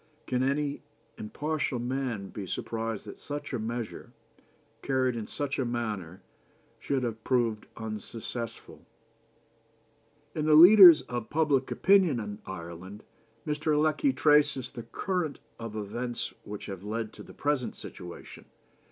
Can any impartial man be surprised that such a measure, carried in such a manner, should have proved unsuccessful?" In the Leaders of Public Opinion in Ireland Mr. Lecky traces the current of events which have led to the present situation.